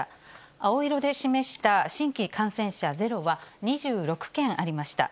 青色で示した新規感染者ゼロは、２６県ありました。